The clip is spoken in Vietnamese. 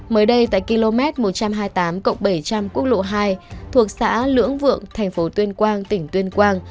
mới đây tại km một trăm hai mươi tám bảy trăm linh quốc lộ hai thuộc xã lưỡng vượng thành phố tuyên quang tỉnh tuyên quang